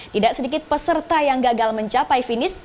tidak sedikit peserta yang gagal mencapai finish